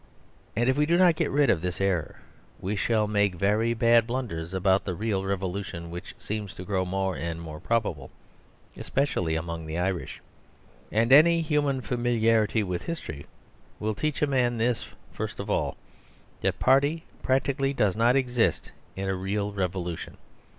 And if we do not get rid of this error we shall make very bad blunders about the real revolution which seems to grow more and more probable, especially among the Irish. And any human familiarity with history will teach a man this first of all: that Party practically does not exist in a real revolution.